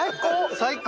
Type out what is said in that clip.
最高！